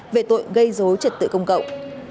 về tội gây dối trật tự công cộng